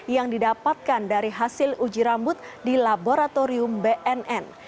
yang didapatkan dari hasil uji rambut di laboratorium bnn